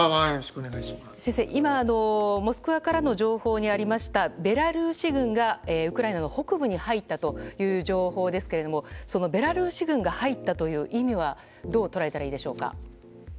先生、今モスクワからの情報にありましたベラルーシ軍がウクライナの北部に入ったという情報ですけれどもそのベラルーシ軍が入ったという意味はどう捉えたらいいでしょうか。